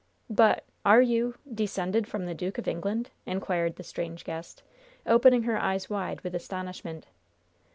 But are you descended from the Duke of England?" inquired the strange guest, opening her eyes wide with astonishment.